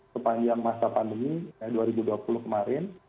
sepanjang masa pandemi dua ribu dua puluh kemarin